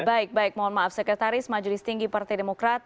baik baik mohon maaf sekretaris majelis tinggi partai demokrat